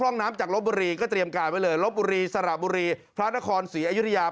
แล้วก็เตรียมการไว้ลบบุรีสระบุรีพระนครศรีอยุธยา